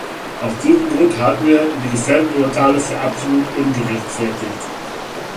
Aus diesem Grund halten wir die gefällten Urteile für absolut ungerechtfertigt.